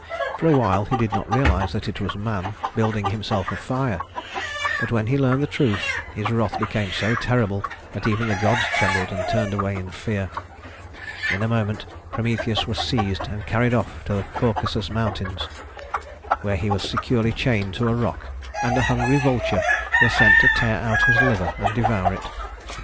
For a while he did not realize that it was man, building himself a fire; but when he learned the truth, his wrath became so terrible that even the gods trembled and turned away in fear. In a moment Prometheus was seized and carried off to the Caucasus Mountains, where he was securely chained to a rock, and a hungry vulture was sent to tear out his liver and devour it.